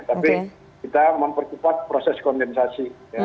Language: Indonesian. tapi kita mempercepat proses kondensasi